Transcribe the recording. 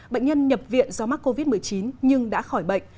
bệnh nhân nhập viện do mắc covid một mươi chín nhưng đã khỏi bệnh